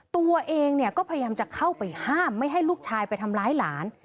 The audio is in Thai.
ตัวเองเนี่ยก็พยายามจะเข้าไปห้ามไม่ให้ลูกชายไปทำร้ายหลาน